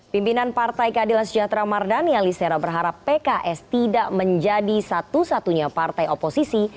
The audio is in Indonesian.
pimpinan partai keadilan sejahtera mardani alisera berharap pks tidak menjadi satu satunya partai oposisi